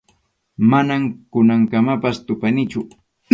Manam kunankamapas tupanichu.